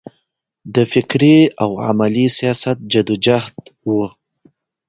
د فکري او عملي سیاست جدوجهد و.